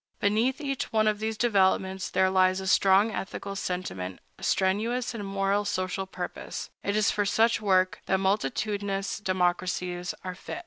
Beneath each one of these developments there lies a strong ethical sentiment, a strenuous moral and social purpose. It is for such work that multitudinous democracies are fit.